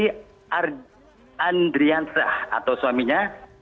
dan andrian sah atau suaminya